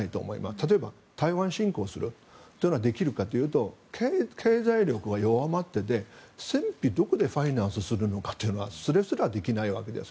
例えば台湾進攻するというのができるかというと経済力は弱まっていて戦費、どこでファイナンスするのかというのはそれすらできないわけです。